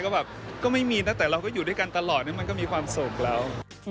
ก็แบบก็ไม่มีนะแต่เราก็อยู่ด้วยกันตลอดมันก็มีความสุขแล้ว